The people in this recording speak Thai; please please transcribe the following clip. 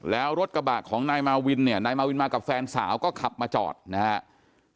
แล้วรถกระบะของนายมาวินเนี่ยนายมาวินมากับแฟนสาวก็ขับมาจอดนะครับ